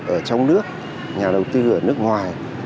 ở trong nước nhà đầu tư ở nước ngoài